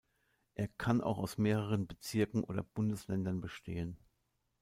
Er kann auch aus mehreren Bezirken oder Bundesländern bestehen.